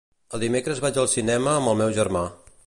Els dimecres vaig al cinema amb el meu germà.